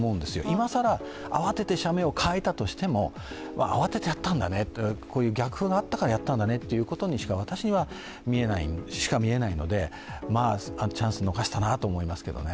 今さら、慌てて社名を変えたとしても慌ててやったんだね、こういう逆風があったからやったんだねというふうに私には見えないので、チャンスを逃したなと思いますけどね。